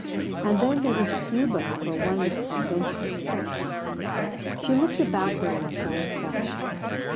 And then there was Cuba for one's adventurous sense. She looked about her with satisfaction.